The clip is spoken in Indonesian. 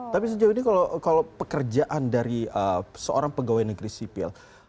tapi sejauh ini kalau pekerjaan dari seorang pegawai negara